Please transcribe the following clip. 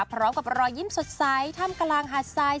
พร้อมกับรอยยิ้มสดใสถ้ำกลางหาดทราย